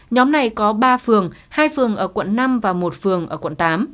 nhóm này có ba phường hai phường ở quận năm và một phường ở quận tám